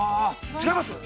◆違います？